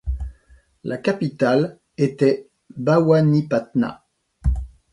La capitale était Bhawanipatna.